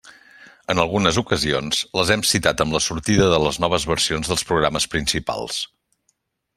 En algunes ocasions, les hem citat amb la sortida de les noves versions dels programes principals.